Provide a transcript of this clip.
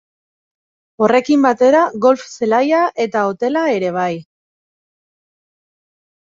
Horrekin batera golf zelaia eta hotela ere bai.